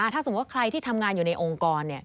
ถ้าสมมุติว่าใครที่ทำงานอยู่ในองค์กร